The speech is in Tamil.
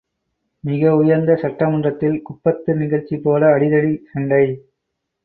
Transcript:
மிக உயர்ந்த சட்டமன்றத்தில் குப்பத்து நிகழ்ச்சிபோல அடிதடிச்சண்டை!